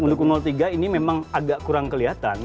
ya pendukung tiga ini memang agak kurang kelihatan